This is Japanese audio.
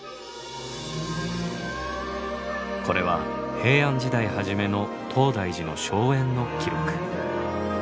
これは平安時代初めの東大寺の荘園の記録。